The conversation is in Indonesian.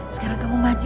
sekarang kamu maju